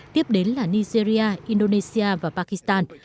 tiếp đến là nigeria indonesia và pakistan